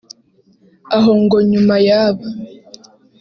aho ngo nyuma y’aba